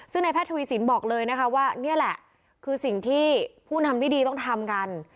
ซึ่งในแพทย์ทวีสินบอกเลยนะคะว่านี่แหละคือสิ่งที่ผู้ทำที่ดีต้องทำกัน